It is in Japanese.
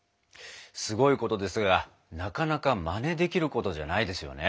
すごいことですがなかなかまねできることじゃないですよね。